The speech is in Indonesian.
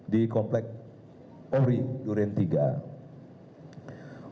di komplek polri duren tiga